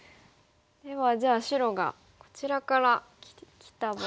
ではじゃあ白がこちらからきた場合には。